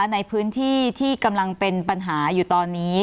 ในพื้นที่ที่กำลังเป็นปัญหาอยู่ตอนนี้